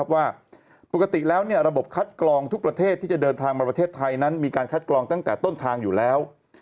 ว่าปกติแล้วระบบคัดกรองทุกประเทศที่จะเดินทางมาประเทศไทยนั้นมีการคัดกรองตั้งแต่ต้นทางอยู่แล้ว